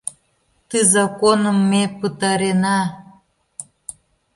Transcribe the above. Ты законым ме пытарена!..